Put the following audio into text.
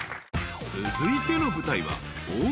［続いての舞台は］